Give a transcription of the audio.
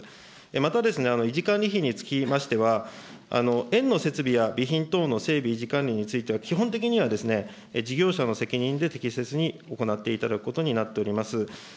また、維持管理費につきましては、園の設備や備品等の整備、時間については基本的には事業者の責任で適切に行っていただくことになっております。